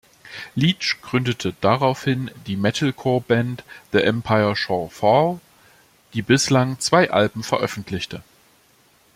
Leach gründete daraufhin die Metalcore-Band The Empire Shall Fall, die bislang zwei Alben veröffentlichte.